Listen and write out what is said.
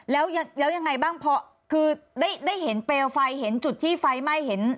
แล้วยังไงบ้างพอคือได้เห็นเปลวไฟเห็นจุดที่ไฟไหม้เห็น